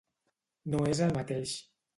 No és el mateix.